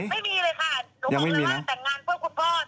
ไม่มีเลยค่ะหนูบอกเลยว่าแต่งงานเพื่อคุณพ่อ